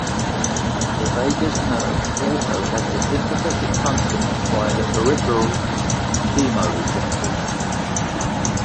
The vagus nerve also has a sympathetic function via the peripheral chemoreceptors.